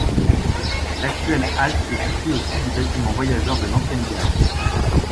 L'actuelle halte est située au sud du bâtiment voyageurs de l’ancienne gare.